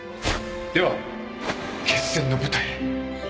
では決戦の舞台へ